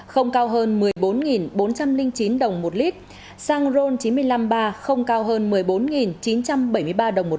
không cao hơn một mươi bốn bốn trăm linh chín đồng một lit xăng ron chín mươi năm ba không cao hơn một mươi bốn chín trăm bảy mươi ba đồng một lit